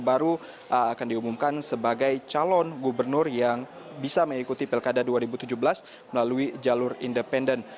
baru akan diumumkan sebagai calon gubernur yang bisa mengikuti pilkada dua ribu tujuh belas melalui jalur independen